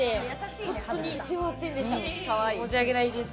本当にすみませんでした。